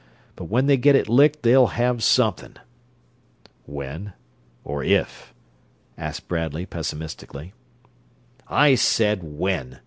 But when they get it licked they'll have something!" "When, or if?" asked Bradley, pessimistically. "I said _when!